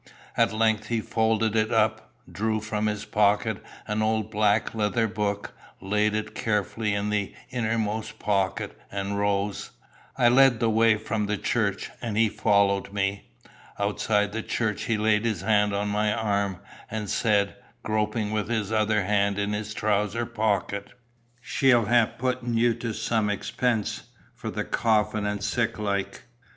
At length he folded it up, drew from his pocket an old black leather book, laid it carefully in the innermost pocket, and rose. I led the way from the church, and he followed me. Outside the church, he laid his hand on my arm, and said, groping with his other hand in his trousers pocket "She'll hae putten ye to some expense for the coffin an' sic like."